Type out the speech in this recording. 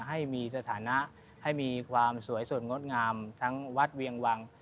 ให้มีสถานะให้มีความสวยสดงดงามทั้งวัดเวียงวัง